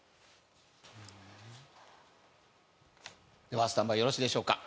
ではスタンバイよろしいでしょうか？